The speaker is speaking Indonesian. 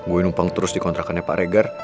gue numpang terus di kontrakannya pak regar